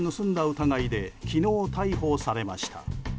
疑いで昨日、逮捕されました。